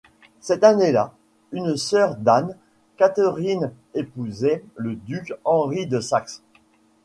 Cette année-là une sœur d'Anne, Catherine épousait le duc Heinri de Saxe.